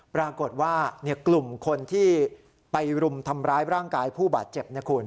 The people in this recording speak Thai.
ปรากฏว่ากลุ่มคนที่ไปรุมทำร้ายร่างกายผู้บาดเจ็บนะคุณ